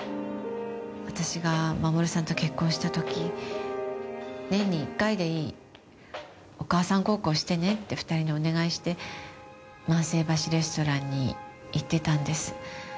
私が守さんと結婚した時年に一回でいいお母さん孝行してねって２人にお願いして万世橋レストランに行ってたんです。